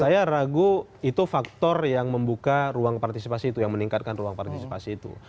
saya ragu itu faktor yang membuka ruang partisipasi itu yang meningkatkan ruang partisipasi itu